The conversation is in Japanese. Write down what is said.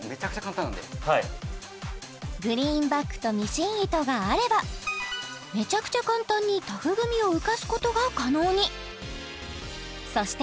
はいはいグリーンバックとミシン糸があればめちゃくちゃ簡単にタフグミを浮かすことが可能にそして